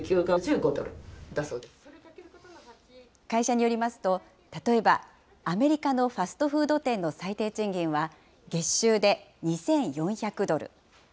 会社によりますと、例えば、アメリカのファストフード店の最低賃金は月収で２４００ドル。